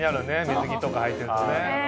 水着とかはいてるとね。